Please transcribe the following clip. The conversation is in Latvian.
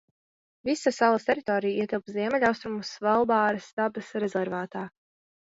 Visa salas teritorija ietilpst Ziemeļaustrumu Svalbāras dabas rezervātā.